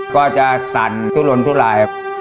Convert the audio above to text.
ก็จะสั่นทุนลนทุลาย